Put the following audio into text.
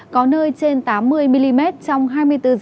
có nơi trên tám mươi mm trong hai mươi bốn h